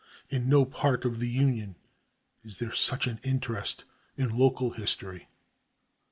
In no part of the Union is there such an interest in local history.